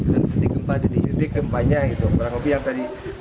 dengan dorong jadi tempat kemba kerusakan tersebut kembangunya itu kuranger paris